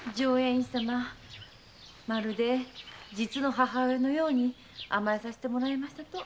まるで実の母親のように甘えさせてもらいましたと。